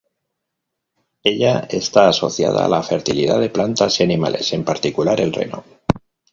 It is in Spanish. Ella está asociada a la fertilidad de plantas y animales, en particular, el reno.